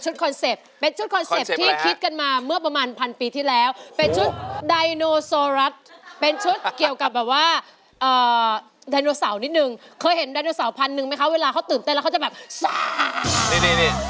ไดโนโซรัตเป็นชุดเกี่ยวกับแบบว่าเอ่อไดโนสาวนิดนึงเคยเห็นไดโนสาวพันนึงไม่คะเวลาเขาตื่นเต้นแล้วเขาจะแบบซานี่นี่